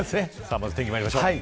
まずは天気にまいりましょう。